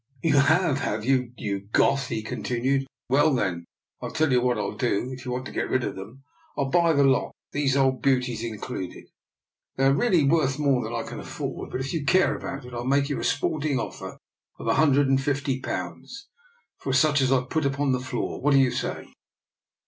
" You have, have you? You Goth! " he continued. " Well, then, I'll tell you what I'll do. If you want to get rid of them, I'll buy the lot, these old beauties included. They are really worth more than I can afford, but if you care about it, I'll make you a sporting offer of a hundred and fifty pounds for such as I've put upon the floor. What do you say?